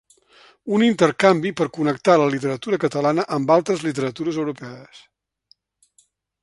Un intercanvi per connectar la literatura catalana amb altres literatures europees.